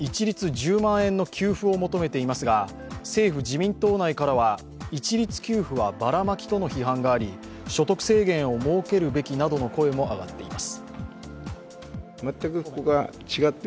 １０万円の給付を求めていますが、政府・自民党内からは一律給付はバラマキとの批判があり所得制限を設けるべきなどの声も上がっています。